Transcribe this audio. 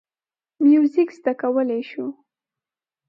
موزیک زده کولی شو.